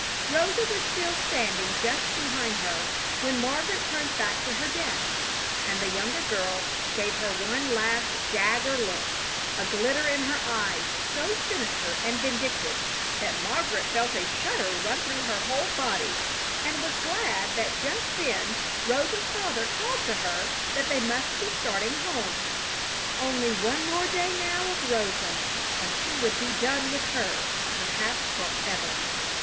Rosa was still standing just behind her when Margaret turned back to her desk, and the younger girl gave her one last dagger look, a glitter in her eyes so sinister and vindictive that Margaret felt a shudder run through her whole body, and was glad that just then Rosa's father called to her that they must be starting home. Only one more day now of Rosa, and she would be done with her, perhaps forever.